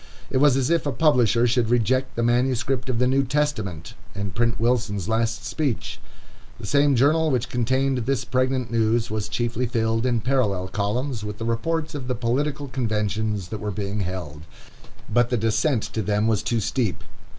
It was as if a publisher should reject the manuscript of the New Testament, and print Wilson's last speech. The same journal which contained this pregnant news, was chiefly filled, in parallel columns, with the reports of the political conventions that were being held. But the descent to them was too steep.